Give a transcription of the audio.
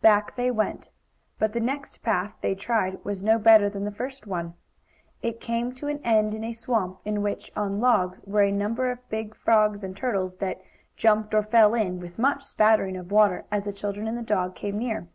Back they went. But the next path they tried was no better than the first one. It came to an end in a swamp, in which, on logs, were a number of big frogs and turtles, that jumped, or fell in, with much spattering of water as the children and the dog came near.